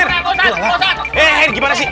eh gimana sih